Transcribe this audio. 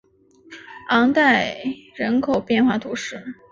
昂代人口变化图示